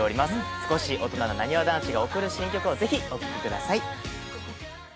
少し大人ななにわ男子がおくる新曲をぜひお聴きください